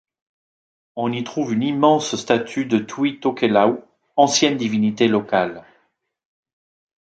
On y trouve une immense statue de Tui Tokelau, ancienne divinité locale.